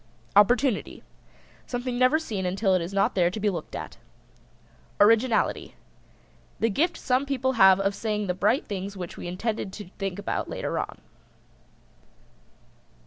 OPPORTUNITY. Something never seen until it is not there to be looked at. ORIGINALITY. The gift some people have of saying the bright things which we intended to think about later on.